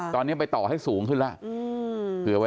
ตอนนี้ไปต่อให้สูงขึ้นแล้ว